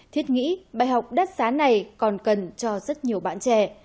thiết nghĩ bài học đắt giá này còn cần cho rất nhiều bạn trẻ